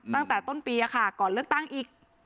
ตั้งแต่ต้นปีค่ะก่อนเลือกตั้งอีก